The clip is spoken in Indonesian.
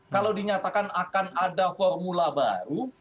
kalau dinyatakan akan ada formula baru